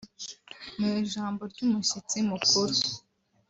Mu ijambo ry’umushyitsi mukuru